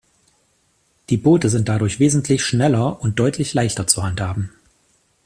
Die Boote sind dadurch wesentlich schneller und deutlich leichter zu handhaben.